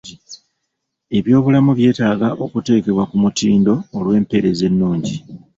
Ebyobulamu byetaaga okuteekebwa ku mutindo olw'empeereza ennungi.